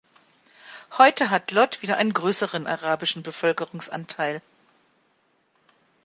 Heute hat Lod wieder einen größeren arabischen Bevölkerungsanteil.